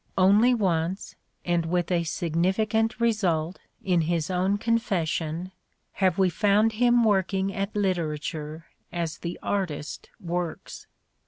Only once, and with a significant result in his own confession, have we found him working at 1/ literature as the artist works.